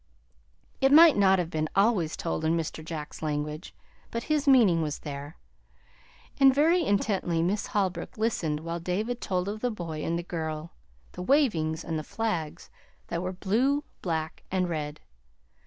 It might not have been always told in Mr. Jack's language; but his meaning was there, and very intently Miss Holbrook listened while David told of the boy and the girl, the wavings, and the flags that were blue, black, and red.